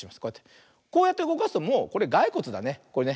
こうやってうごかすともうこれガイコツだねこれね。